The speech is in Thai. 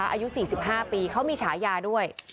อายุ๔๕ปีเขามีฉายาด้วย